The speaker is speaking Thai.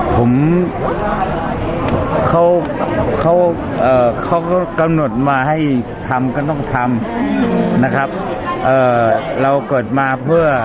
ผมเขาเขากำหนดมาให้ทำก็ต้องทำนะครับเอ่อเราเกิดมาเพื่อ